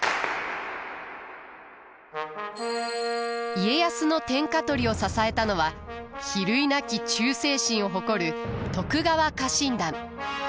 家康の天下取りを支えたのは比類なき忠誠心を誇る徳川家臣団。